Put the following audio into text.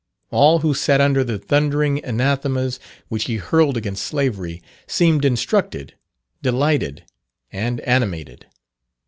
All who sat under the thundering anathemas which he hurled against slavery, seemed instructed, delighted, and animated.